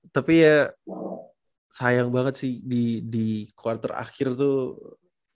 tapi ya sayang banget sih di kuartal akhir tuh